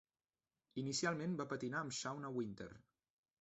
Inicialment va patinar amb Shawna Winter.